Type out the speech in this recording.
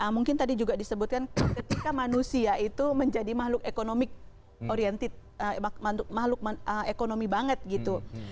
mungkin tadi juga disebutkan ketika manusia itu menjadi makhluk ekonomi banget gitu